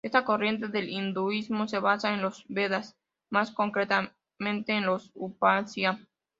Esta corriente del hinduismo se basa en los Vedas, más concretamente en los Upanishad.